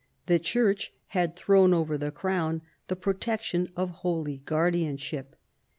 The Church had thrown over the Crown the protection of holy guardianship.